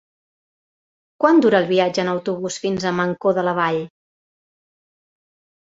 Quant dura el viatge en autobús fins a Mancor de la Vall?